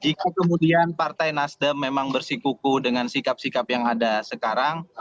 jika kemudian partai nasdem memang bersikuku dengan sikap sikap yang ada sekarang